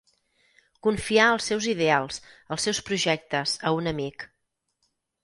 Confiar els seus ideals, els seus projectes, a un amic.